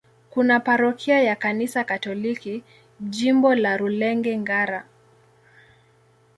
Kuna parokia ya Kanisa Katoliki, Jimbo la Rulenge-Ngara.